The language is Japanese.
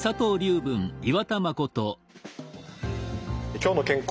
「きょうの健康」